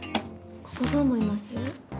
ここどう思います？